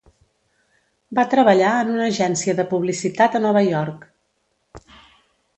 Va treballar en una agència de publicitat a Nova York.